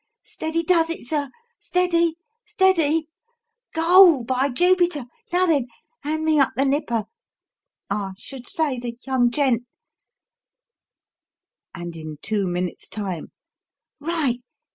Steady does it, sir steady, steady! Goal, by Jupiter! Now then, hand me up the nipper I should say the young gent and in two minutes' time Right!